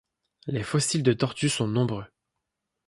Les fossiles de tortues sont nombreux.